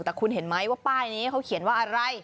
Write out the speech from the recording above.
แต่คุณเห็นไหมว่าป้ายนี้เขาเขียนว่าอะไร